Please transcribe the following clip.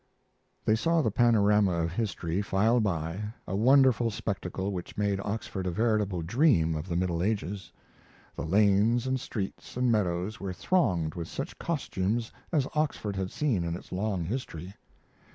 They saw the panorama of history file by, a wonderful spectacle which made Oxford a veritable dream of the Middle Ages. The lanes and streets and meadows were thronged with such costumes as Oxford had seen in its long history.